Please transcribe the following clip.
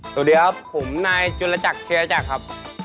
สวัสดีครับผมนายจุลจักรเทียจักรครับ